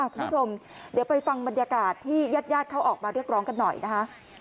คุณผู้ชมเดี๋ยวไปฟังบรรยากาศที่ญาติญาติเขาออกมาเรียกร้องกันหน่อยนะคะ